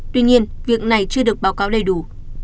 tuy nhiên việc này chưa được báo cáo đầy đủ